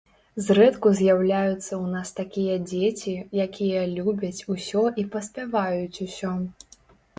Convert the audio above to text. Зрэдку з'яўляюцца ў нас такія дзеці, якія любяць усё і паспяваюць усё!